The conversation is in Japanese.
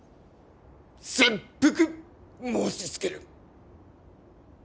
切腹申しつける。